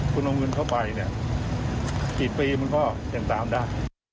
คุณเอาเงินเข้าไปเนี่ยกี่ปีมันก็ยังตามได้